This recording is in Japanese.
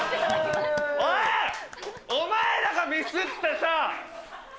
おい、お前らがミスってさ。